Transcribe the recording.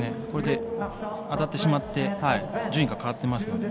これで当たってしまって順位が変わっています。